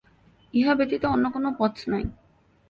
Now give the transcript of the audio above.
ইহা ব্যতীত অন্য কোন পথ নাই।